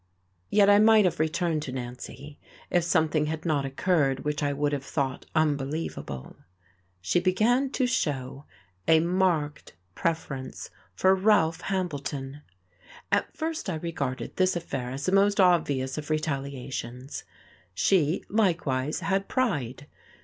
Yet I might have returned to Nancy if something had not occurred which I would have thought unbelievable: she began to show a marked preference for Ralph Hambleton. At first I regarded this affair as the most obvious of retaliations. She, likewise, had pride.